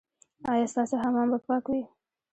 ایا ستاسو حمام به پاک وي؟